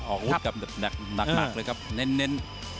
อาวุธกันหนักเลยครับเน้น